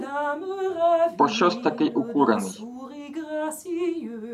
— Пощо-с такий укурений?